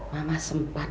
mama sempat menangkapku